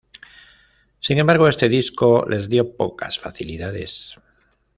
Sin embargo, este disco les dio pocas facilidades.